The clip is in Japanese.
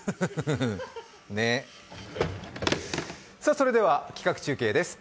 それでは企画中継です。